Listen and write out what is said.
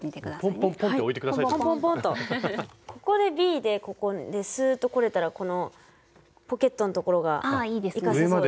ここでＢでここですっとこれたらこのポケットのところが生かせそうですね。